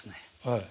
はい。